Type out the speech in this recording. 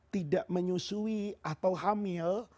tidak menyusui atau hamil